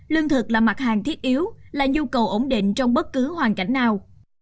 lương thực là mặt hàng thiết yếu là nhu cầu ổn định trong bất cứ hoàn cảnh nào